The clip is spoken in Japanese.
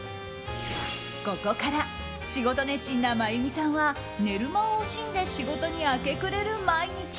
ここから仕事熱心な真弓さんは寝る間を惜しんで仕事に明け暮れる毎日。